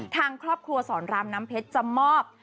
ทางครอบครัวสอนรามน้ำเพชรจะมอบ